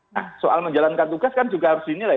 nah soal menjalankan tugas kan juga harus dinilai